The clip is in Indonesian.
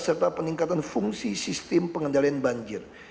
serta peningkatan fungsi sistem pengendalian banjir